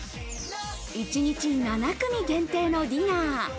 一日７組限定のディナー。